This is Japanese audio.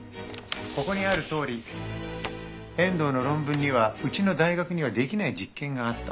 ここにあるとおり遠藤の論文にはうちの大学にはできない実験があった。